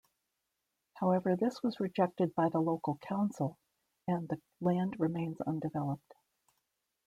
However this was rejected by the local council and the land remains undeveloped.